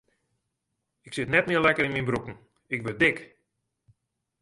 Ik sit net mear lekker yn myn broeken, ik wurd dik.